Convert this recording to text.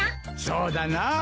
そうだなあ。